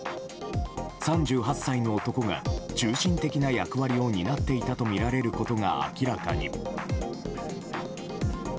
３８歳の男が中心的な役割を担っていたとみられることが明らかに。